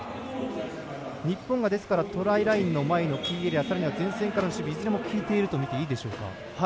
日本が、トライラインの前のキーエリアさらには前線からの守備いずれも効いているとみていいでしょうか。